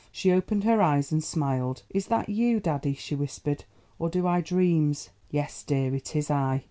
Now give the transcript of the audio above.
She opened her eyes and smiled. "Is that you, daddy," she whispered, "or do I dreams?" "Yes, dear, it is I."